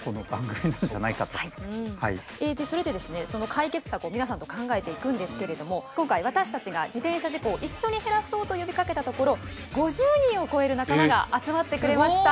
その解決策を皆さんと考えていくんですけれども今回私たちが自転車事故を一緒に減らそうと呼びかけたところ５０人を超える仲間が集まってくれました。